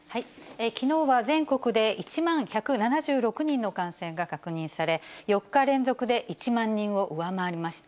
きのうは全国で１万１７６人の感染が確認され、４日連続で１万人を上回りました。